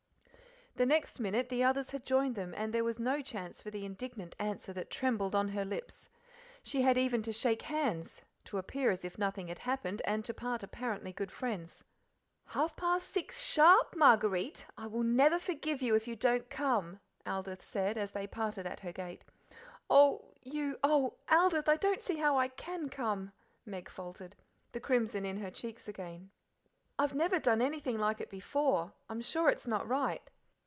The next minute the others had joined them, and there was no chance for the indignant answer that trembled on her lips. She had even to shake hands, to appear as if nothing had happened, and to part apparently good friends. "Half past six sharp, Marguerite. I will never forgive you if you don't come," Aldith said, as they parted at her gate. "I you Oh, Aldith, I don't see how I can come," Meg faltered, the crimson in her cheeks again. "I've never done anything like it before. I'm sure it's not right."